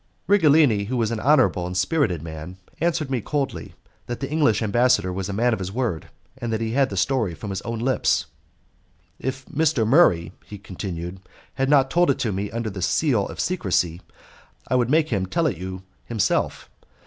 Righelini, who was an honourable and spirited man, answered me coldly that the English ambassador was a man of his word, and that he had the story from his own lips. "If Mr. Murray," he continued, "had not told it me under the seal of secrecy I would make him tell it you himself.